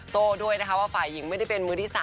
โต้ด้วยนะคะว่าฝ่ายหญิงไม่ได้เป็นมือที่๓